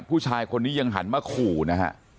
ผู้ชายคนนี้ยังหันมาขู่นะฮะ